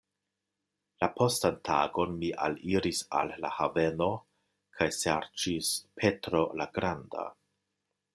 La postan tagon mi aliris al la haveno kaj serĉis "Petro la Granda".